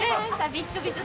びっちょびちょ。